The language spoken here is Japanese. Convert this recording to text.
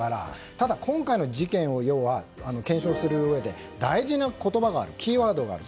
ただ今回の事件を検証するうえで大事な言葉、キーワードがある。